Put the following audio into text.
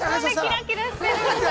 ◆キラキラしてる。